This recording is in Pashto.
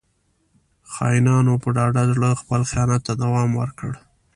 • خاینانو په ډاډه زړه خپل خیانت ته دوام ورکړ.